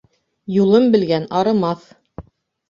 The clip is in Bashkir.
Юлын белгән арымаҫ.